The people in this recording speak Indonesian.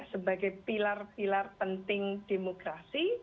sebagai pilar pilar penting demokrasi